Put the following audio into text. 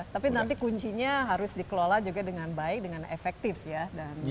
tapi nanti kuncinya harus dikelola juga dengan baik dengan efektif ya